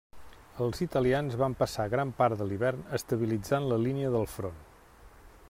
Els italians van passar gran part de l'hivern estabilitzant la línia del front.